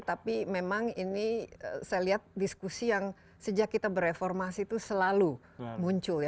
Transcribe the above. tapi memang ini saya lihat diskusi yang sejak kita bereformasi itu selalu muncul ya